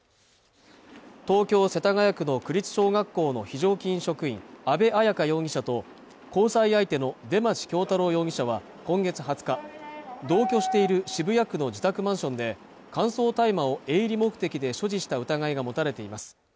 東京世田谷区の区立小学校の非常勤職員安部綾香容疑者と交際相手の出町恭太郎容疑者は今月２０日同居している渋谷区の自宅マンションで乾燥大麻を営利目的で所持した疑いが持たれています